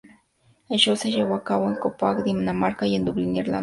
El show se llevó a cabo en Copenhague, Dinamarca y en Dublín, Irlanda.